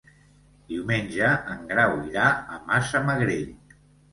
Diumenge en Grau irà a Massamagrell.